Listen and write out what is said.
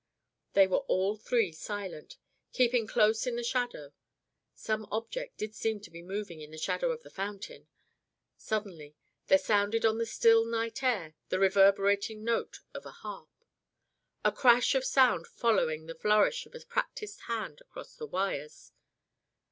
They were all three silent, keeping close in the shadow. Some object did seem to be moving in the shadow of the fountain. Suddenly there sounded on the still night air the reverberating note of a harp a crash of sound following the flourish of a practised hand across the wires.